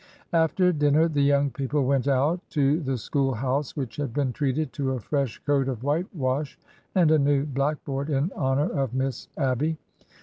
After dinner the young people went out to the school house, which had been treated to a fresh coat of white wash and a new blackboard in honor of Miss Abby.